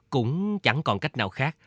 cũng chẳng còn cách nào khác